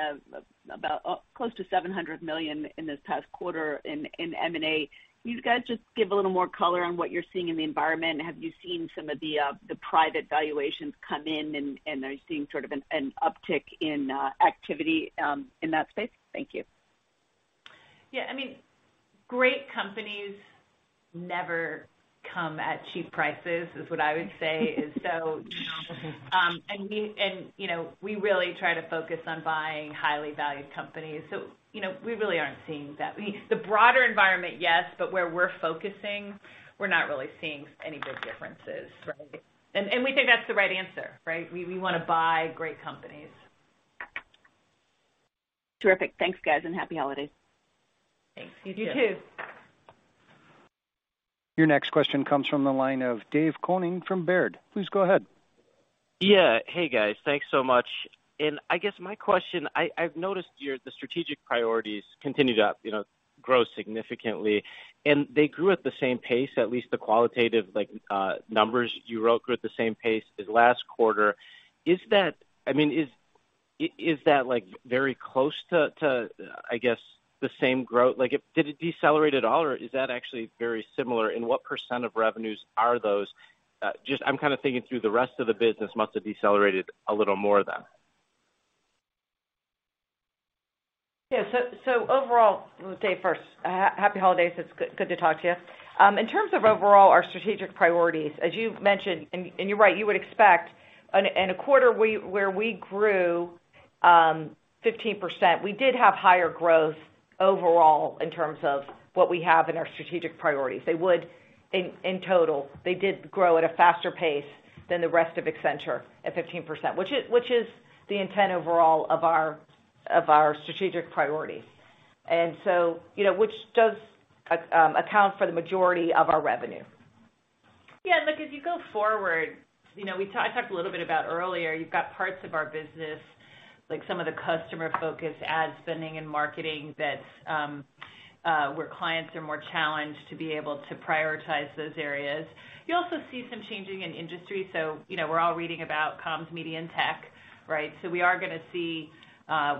about close to $700 million in this past quarter in M&A. Can you guys just give a little more color on what you're seeing in the environment? Have you seen some of the private valuations come in and are you seeing sort of an uptick in activity in that space? Thank you. Yeah. I mean, great companies never come at cheap prices is what I would say. You know, and, you know, we really try to focus on buying highly valued companies. You know, we really aren't seeing that. The broader environment, yes. Where we're focusing, we're not really seeing any big differences. Right. We think that's the right answer, right? We wanna buy great companies. Terrific. Thanks, guys, and happy holidays. Thanks. You too. You too. Your next question comes from the line of Dave Koning from Baird. Please go ahead. Yeah. Hey, guys. Thanks so much. I guess my question, I've noticed your, the strategic priorities continue to, you know, grow significantly, and they grew at the same pace, at least the qualitative, like, numbers you wrote were at the same pace as last quarter. Is that? I mean, is that like very close to, I guess, the same growth? Did it decelerate at all, or is that actually very similar? What percent of revenues are those? Just I'm kinda thinking through the rest of the business must have decelerated a little more then. Yeah. Overall, Dave, first, happy holidays. It's good to talk to you. In terms of overall our strategic priorities, as you mentioned, and you're right, you would expect in a quarter where we grew 15%, we did have higher growth overall in terms of what we have in our strategic priorities. In total, they did grow at a faster pace than the rest of Accenture at 15%, which is the intent overall of our strategic priorities. You know, which does account for the majority of our revenue. Yeah. Look, as you go forward, you know, I talked a little bit about earlier, you've got parts of our business, like some of the customer-focused ad spending and marketing that, where clients are more challenged to be able to prioritize those areas. You also see some changing in industry. You know, we're all reading about comms, media, and tech, right? We are gonna see,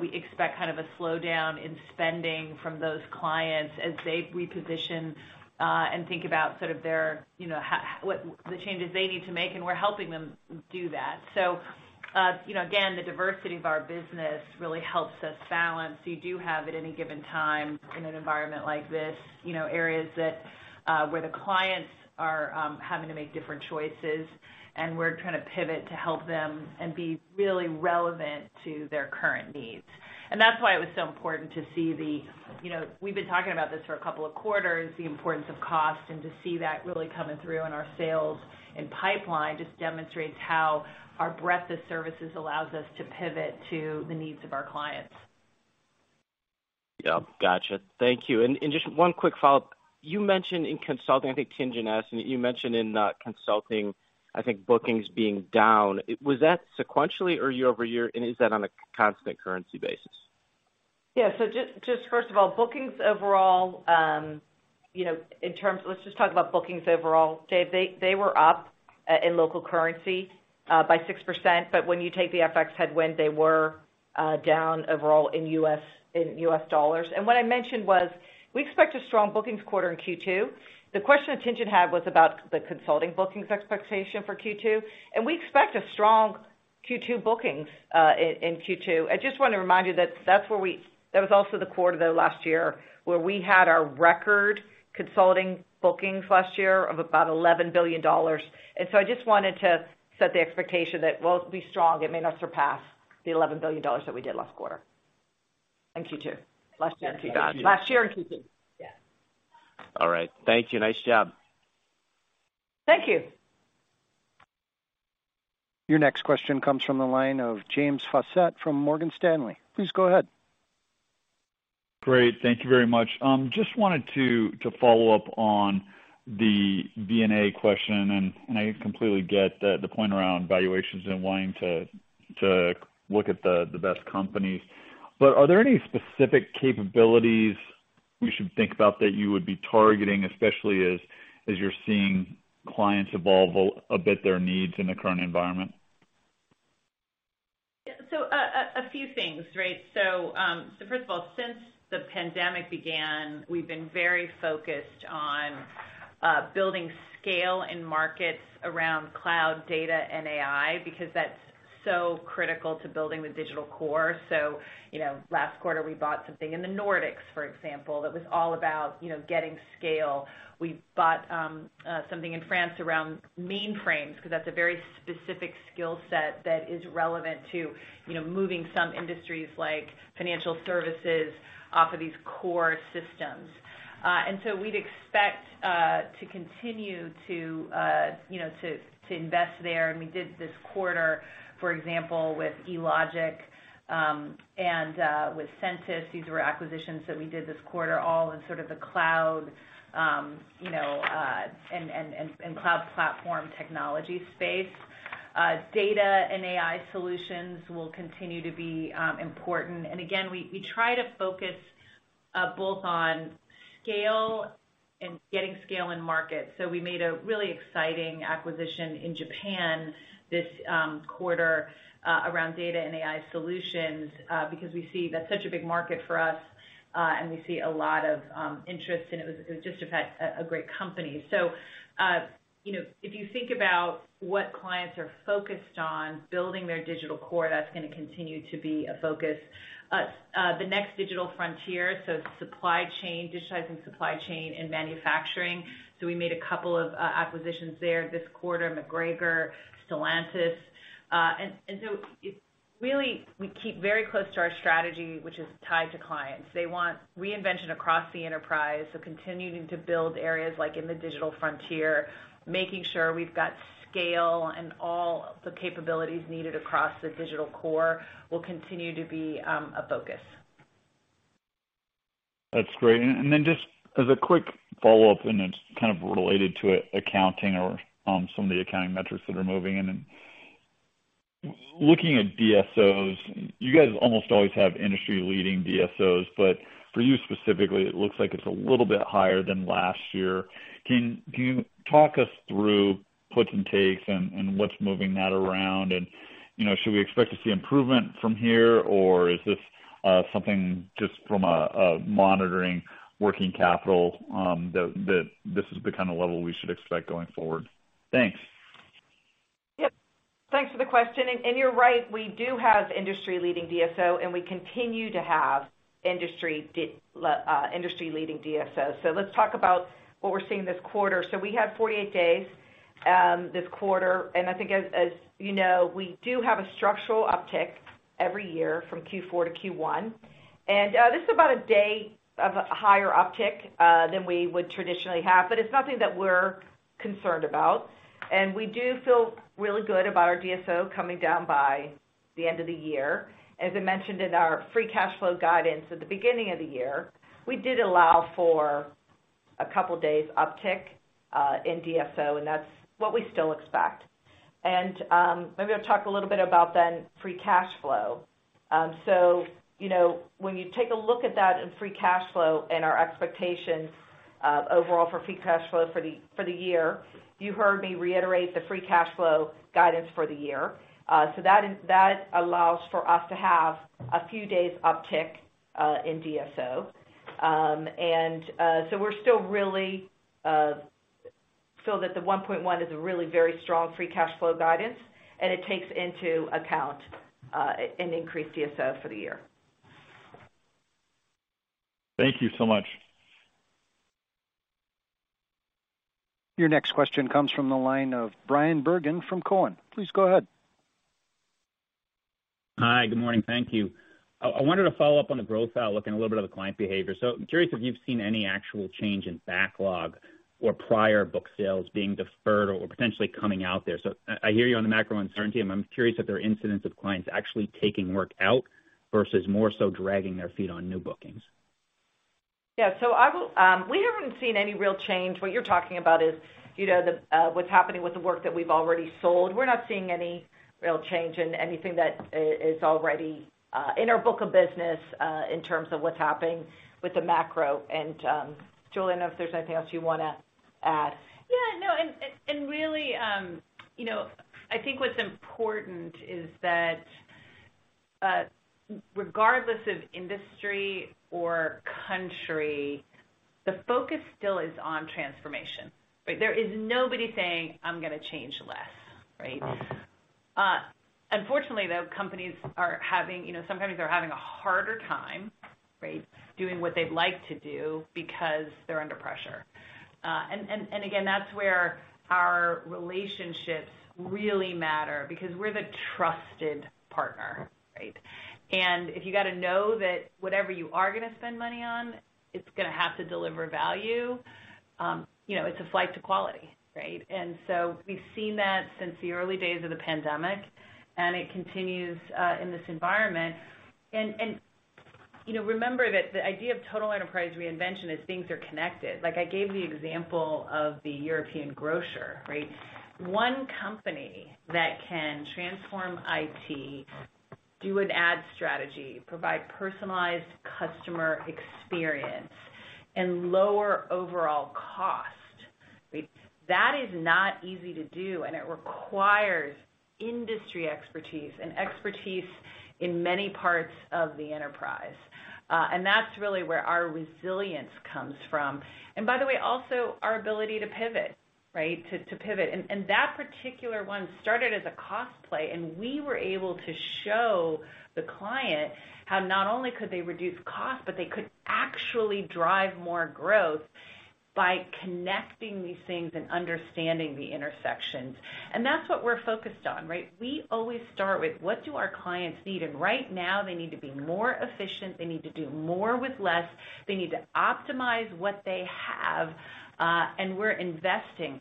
we expect kind of a slowdown in spending from those clients as they reposition and think about sort of their, you know, what the changes they need to make, and we're helping them do that. You know, again, the diversity of our business really helps us balance. You do have, at any given time in an environment like this, you know, areas that where the clients are having to make different choices, and we're trying to pivot to help them and be really relevant to their current needs. That's why it was so important to see the You know, we've been talking about this for a couple of quarters, the importance of cost, and to see that really coming through in our sales and pipeline just demonstrates how our breadth of services allows us to pivot to the needs of our clients. Yeah. Gotcha. Thank you. Just one quick follow-up. You mentioned in consulting, I think Tien-tsin asked, and you mentioned in consulting, I think bookings being down. Was that sequentially or year-over-year? Is that on a constant currency basis? Yeah. Just first of all, bookings overall, you know, let's just talk about bookings overall. Dave, they were up in local currency by 6%, but when you take the FX headwind, they were down overall in U.S. dollars. What I mentioned was we expect a strong bookings quarter in Q2. The question that Tien-tsin have was about the consulting bookings expectation for Q2, we expect a strong Q2 bookings in Q2. I just wanna remind you that that was also the quarter though last year, where we had our record consulting bookings last year of about $11 billion. I just wanted to set the expectation that while it'll be strong, it may not surpass the $11 billion that we did last quarter. In Q2. Last year in Q2. Gotcha. Last year in Q2. Yeah. All right. Thank you. Nice job. Thank you. Your next question comes from the line of James Faucette from Morgan Stanley. Please go ahead. Great. Thank you very much. Just wanted to follow up on the M&A question, and I completely get the point around valuations and wanting to look at the best company. Are there any specific capabilities we should think about that you would be targeting, especially as you're seeing clients evolve a bit their needs in the current environment? Yeah. A few things, right? First of all, since the pandemic began, we've been very focused on building scale in markets around cloud data and AI because that's so critical to building the digital core. Last quarter, we bought something in the Nordics, for example, that was all about, you know, getting scale. We bought something in France around mainframes because that's a very specific skill set that is relevant to, you know, moving some industries like financial services off of these core systems. We'd expect to continue to, you know, to invest there, and we did this quarter, for example, with eLogic and with Census. These were acquisitions that we did this quarter, all in sort of the cloud, you know, and cloud platform technology space. Data and AI solutions will continue to be important. Again, we try to focus both on scale and getting scale in market. We made a really exciting acquisition in Japan this quarter around data and AI solutions because we see that's such a big market for us, and we see a lot of interest, and it was just, in fact, a great company. You know, if you think about what clients are focused on, building their digital core, that's gonna continue to be a focus. The next digital frontier, so supply chain, digitizing supply chain and manufacturing. We made a couple of acquisitions there this quarter, MacGregor, Stellantis. It's really we keep very close to our strategy, which is tied to clients. They want reinvention across the enterprise, so continuing to build areas like in the digital frontier, making sure we've got scale and all the capabilities needed across the digital core will continue to be a focus. That's great. Just as a quick follow-up, and it's kind of related to accounting or some of the accounting metrics that are moving. Looking at DSOs, you guys almost always have industry-leading DSOs, but for you specifically, it looks like it's a little bit higher than last year. Can you talk us through puts and takes and what's moving that around? You know, should we expect to see improvement from here, or is this something just from a monitoring working capital that this is the kind of level we should expect going forward? Thanks. Yep. Thanks for the question. You're right, we do have industry-leading DSO, we continue to have industry-leading DSOs. Let's talk about what we're seeing this quarter. We had 48 days this quarter, I think as you know, we do have a structural uptick every year from Q4 to Q1. This is about a day of a higher uptick than we would traditionally have, but it's nothing that we're concerned about. We do feel really good about our DSO coming down by the end of the year. As I mentioned in our free cash flow guidance at the beginning of the year, we did allow for A couple days uptick in DSO, and that's what we still expect. Maybe I'll talk a little bit about then free cash flow. You know, when you take a look at that in free cash flow and our expectations overall for free cash flow for the year, you heard me reiterate the free cash flow guidance for the year. That allows for us to have a few days uptick in DSO. We're still really feel that the 1.1 is a really very strong free cash flow guidance, and it takes into account an increased DSO for the year. Thank you so much. Your next question comes from the line of Bryan Bergin from Cowen. Please go ahead. Hi, good morning. Thank you. I wanted to follow up on the growth outlook and a little bit of the client behavior. I'm curious if you've seen any actual change in backlog or prior book sales being deferred or potentially coming out there. I hear you on the macro uncertainty, and I'm curious if there are incidents of clients actually taking work out versus more so dragging their feet on new bookings. Yeah. We haven't seen any real change. What you're talking about is, you know, the what's happening with the work that we've already sold. We're not seeing any real change in anything that is already in our book of business in terms of what's happening with the macro. Julie, I don't know if there's anything else you wanna add. Yeah, no. Really, you know, I think what's important is that, regardless of industry or country, the focus still is on transformation, right? There is nobody saying, "I'm gonna change less," right? Unfortunately, the companies are having, you know, sometimes they're having a harder time, right, doing what they'd like to do because they're under pressure. Again, that's where our relationships really matter because we're the trusted partner, right? If you gotta know that whatever you are gonna spend money on, it's gonna have to deliver value, you know, it's a flight to quality, right? So we've seen that since the early days of the pandemic, and it continues in this environment. You know, remember that the idea of total enterprise reinvention is things are connected. Like, I gave the example of the European grocer, right? One company that can transform IT, do an ad strategy, provide personalized customer experience and lower overall cost, right? That is not easy to do, and it requires industry expertise and expertise in many parts of the enterprise. That's really where our resilience comes from. By the way, also our ability to pivot, right? To pivot. That particular one started as a cost play, and we were able to show the client how not only could they reduce cost, but they could actually drive more growth by connecting these things and understanding the intersections. That's what we're focused on, right? We always start with what do our clients need, right now they need to be more efficient, they need to do more with less, they need to optimize what they have, and we're investing.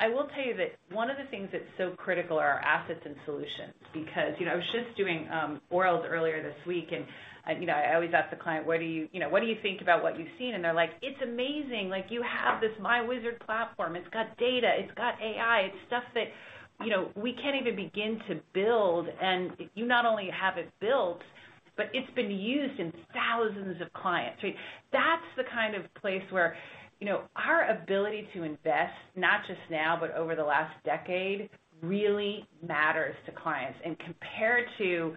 I will tell you that one of the things that's so critical are our assets and solutions because, you know, I was just doing orals earlier this week and, you know, I always ask the client, "What do you know, what do you think about what you've seen?" They're like, "It's amazing. Like, you have this myWizard platform. It's got data, it's got AI, it's stuff that, you know, we can't even begin to build. You not only have it built, but it's been used in thousands of clients," right? That's the kind of place where, you know, our ability to invest, not just now, but over the last decade, really matters to clients. Compared to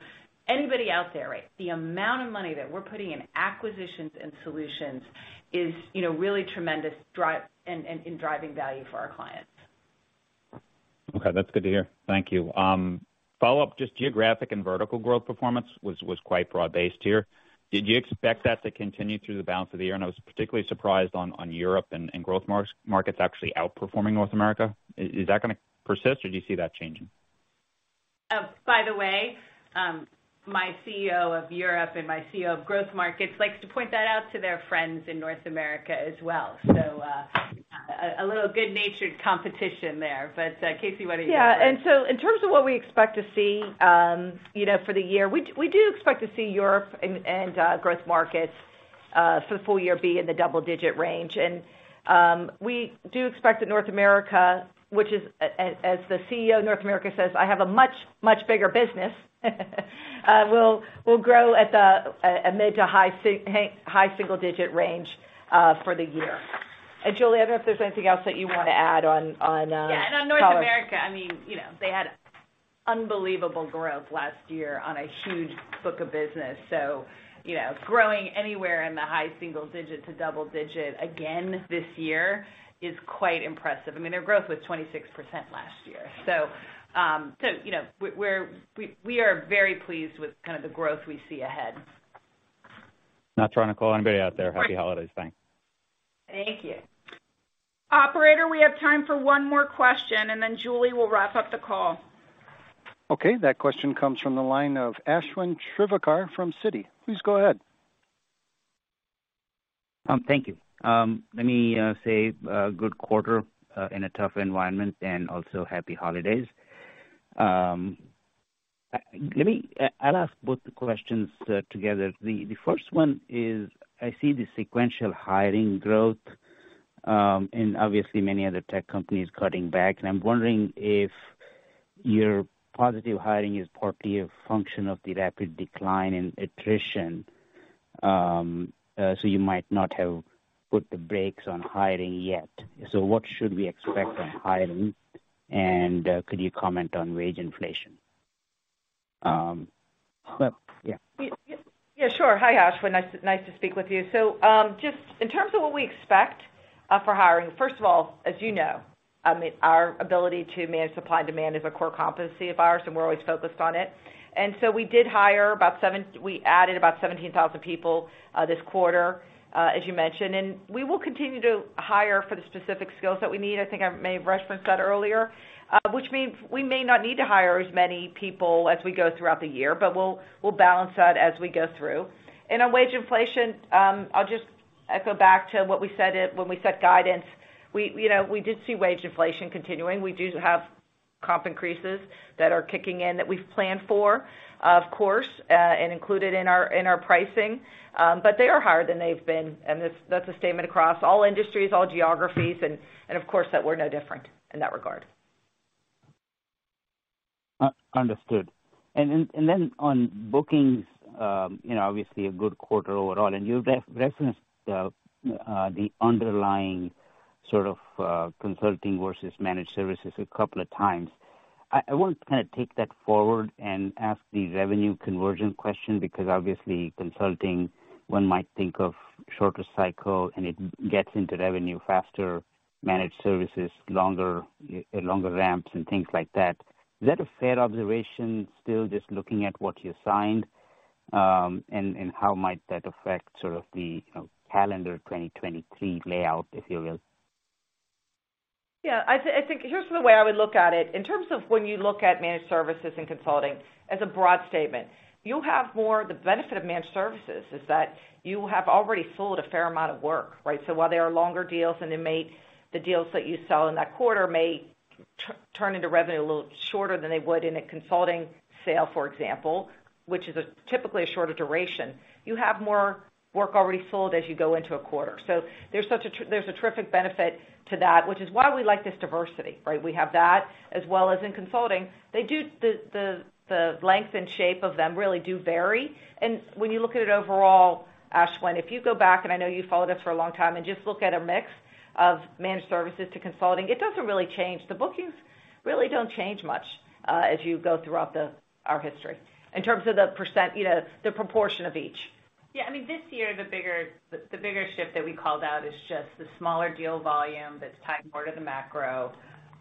anybody out there, right, the amount of money that we're putting in acquisitions and solutions is, you know, really tremendous driving value for our clients. Okay. That's good to hear. Thank you. Follow-up, just geographic and vertical growth performance was quite broad-based here. Did you expect that to continue through the balance of the year? I was particularly surprised on Europe and growth markets actually outperforming North America. Is that gonna persist, or do you see that changing? By the way, my CEO of Europe and my CEO of growth markets likes to point that out to their friends in North America as well. A little good-natured competition there. KC, what do you think? Yeah. In terms of what we expect to see, you know, for the year, we do expect to see Europe and growth markets for the full year be in the double-digit range. We do expect that North America, which is as the CEO of North America says, "I have a much, much bigger business," will grow at a mid to high single-digit range for the year. Julie, I don't know if there's anything else that you wanna add on follow-up. Yeah. On North America, I mean, you know, they had unbelievable growth last year on a huge book of business. You know, growing anywhere in the high single digit to double digit again this year is quite impressive. I mean, their growth was 26% last year. You know, we are very pleased with kind of the growth we see ahead. Not trying to call anybody out there. Happy holidays. Thanks. Thank you. Operator, we have time for one more question, and then Julie will wrap up the call. Okay. That question comes from the line of Ashwin Shirvaikar from Citi. Please go ahead. Thank you. Let me say a good quarter in a tough environment and also happy holidays. Let me I'll ask both the questions together. The first one is I see the sequential hiring growth, and obviously many other tech companies cutting back, and I'm wondering if your positive hiring is partly a function of the rapid decline in attrition. You might not have put the brakes on hiring yet. What should we expect on hiring, and could you comment on wage inflation? Yeah. Yeah, sure. Hi, Ashwin. Nice to speak with you. Just in terms of what we expect for hiring, first of all, as you know, our ability to manage supply and demand is a core competency of ours, and we're always focused on it. We added about 17,000 people this quarter, as you mentioned, and we will continue to hire for the specific skills that we need. I think I may have referenced that earlier. Which means we may not need to hire as many people as we go throughout the year, but we'll balance that as we go through. On wage inflation, I'll just echo back to what we said at... when we set guidance. We, you know, we did see wage inflation continuing. We do have comp increases that are kicking in that we've planned for, of course, and included in our pricing, but they are higher than they've been, and that's a statement across all industries, all geographies and of course that we're no different in that regard. Understood. On bookings, you know, obviously a good quarter overall, you referenced the underlying sort of consulting versus managed services a couple of times. I want to kind of take that forward and ask the revenue conversion question because obviously consulting, one might think of shorter cycle and it gets into revenue faster. Managed services, longer ramps and things like that. Is that a fair observation still, just looking at what you signed, and how might that affect sort of the, you know, calendar 2023 layout, if you will? I think here's the way I would look at it. In terms of when you look at managed services and consulting as a broad statement, you have more. The benefit of managed services is that you have already sold a fair amount of work, right? While they are longer deals and they may, the deals that you sell in that quarter may turn into revenue a little shorter than they would in a consulting sale, for example, which is a typically a shorter duration. You have more work already sold as you go into a quarter. There's such a terrific benefit to that, which is why we like this diversity, right? We have that as well as in consulting. They do the length and shape of them really do vary. When you look at it overall, Ashwin, if you go back, and I know you followed us for a long time, and just look at a mix of managed services to consulting, it doesn't really change. The bookings really don't change much, as you go throughout our history in terms of the percent, you know, the proportion of each. Yeah, I mean, this year the bigger shift that we called out is just the smaller deal volume that's tied more to the macro,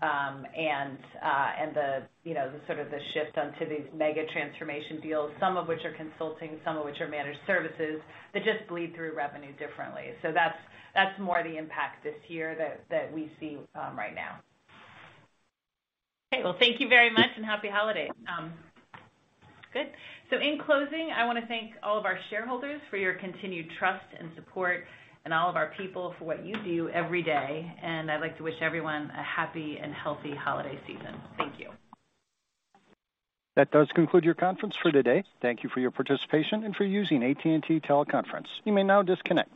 and, you know, the sort of the shift onto these mega transformation deals, some of which are consulting, some of which are managed services that just bleed through revenue differently. That's more the impact this year that we see right now. Okay. Well, thank you very much and happy holidays. good. In closing, I wanna thank all of our shareholders for your continued trust and support and all of our people for what you do every day, and I'd like to wish everyone a happy and healthy holiday season. Thank you. That does conclude your conference for today. Thank you for your participation and for using AT&T TeleConference. You may now disconnect.